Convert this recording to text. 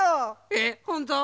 えっほんとう！